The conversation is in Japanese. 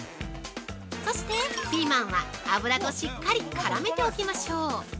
そしてピーマンは、油としっかり絡めておきましょう。